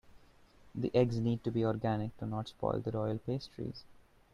The eggs need to be organic to not spoil the royal pastries.